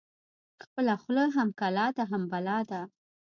ـ خپله خوله هم کلا ده هم بلا ده.